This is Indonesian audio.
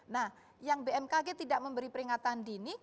nah yang bmkg tidak memberi peringatan dini